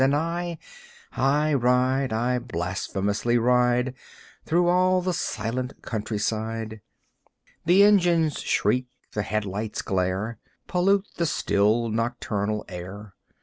And I I ride, I blasphemously ride Through all the silent countryside. The engine's shriek, the headlight's glare, Pollute the still nocturnal air.